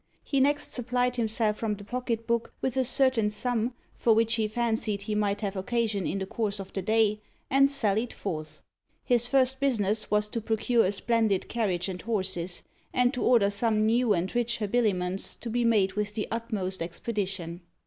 He next supplied himself from the pocket book with a certain sum, for which he fancied he might have occasion in the course of the day, and sallied forth. His first business was to procure a splendid carriage and horses, and to order some new and rich habiliments to be made with the utmost expedition.